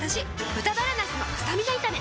「豚バラなすのスタミナ炒め」